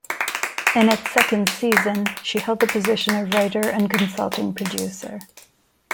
In its second season she held the position of writer and consulting producer.